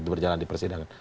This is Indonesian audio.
berjalan di persidangan